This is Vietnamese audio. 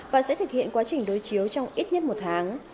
và sẽ thực hiện quá trình đối chiếu trong ít nhất một tháng